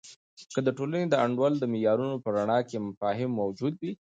که د ټولنې د انډول د معیارونو په رڼا کې مفاهیم موجود وي.